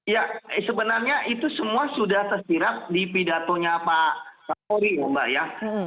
ya sebenarnya itu semua sudah tersirat di pidatonya pak satori mbak ya